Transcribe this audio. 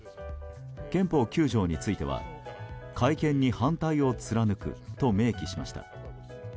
憲法９条については改憲に反対を貫くと明記しました。